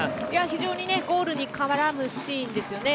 非常にゴールに絡むシーンですよね。